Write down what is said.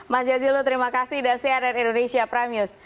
mas zayziul terima kasih dan crn indonesia prime news